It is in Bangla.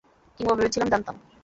কিংবা ভেবেছিলাম, জানতাম।